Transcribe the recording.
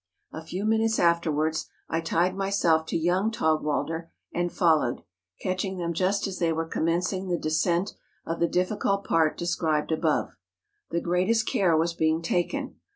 A few minutes afterwards I tied myself to young Taugwalder and followed, catching them just as they were commencing the de¬ scent of the difficult part described above. The greatest care was being taken.